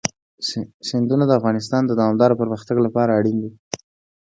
سیندونه د افغانستان د دوامداره پرمختګ لپاره اړین دي.